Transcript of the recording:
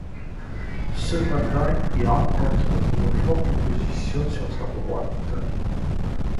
Cependant, il rencontre une forte opposition sur sa droite.